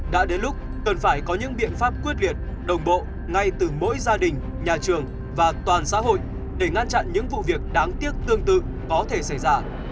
đã đến lúc cần phải có những biện pháp quyết liệt đồng bộ ngay từ mỗi gia đình nhà trường và toàn xã hội để ngăn chặn những vụ việc đáng tiếc tương tự có thể xảy ra